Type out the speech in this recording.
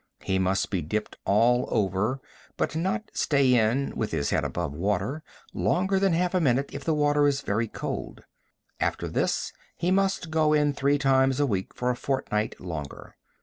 He must be dipped all over, but not stay in (with his head above water) longer than half a minute if the water is very cold. After this he must go in three times a week for a fortnight longer.